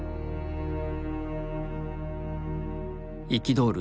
憤る